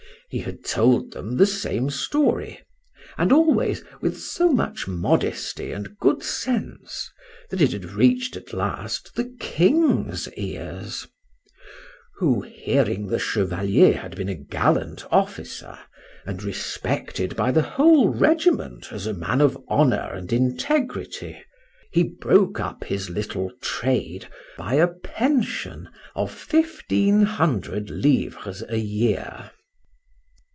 —He had told them the same story, and always with so much modesty and good sense, that it had reach'd at last the king's ears;—who, hearing the Chevalier had been a gallant officer, and respected by the whole regiment as a man of honour and integrity,—he broke up his little trade by a pension of fifteen hundred livres a year.